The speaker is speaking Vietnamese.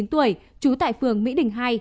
trú tại phường mỹ đình hai